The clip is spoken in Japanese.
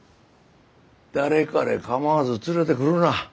誰彼構わず連れてくるな。